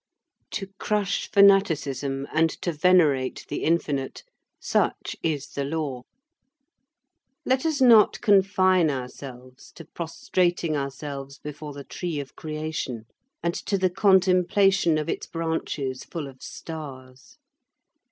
To crush fanaticism and to venerate the infinite, such is the law. Let us not confine ourselves to prostrating ourselves before the tree of creation, and to the contemplation of its branches full of stars.